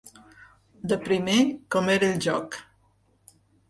De primer, com era el joc.